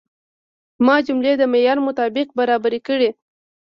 ما جملې د معیار مطابق برابرې کړې.